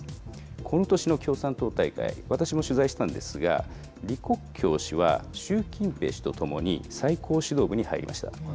この年の共産党大会、私も取材してたんですが、李克強氏は、習近平氏と共に最高指導部に入りました。